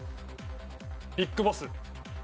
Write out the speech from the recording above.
ビッグボス。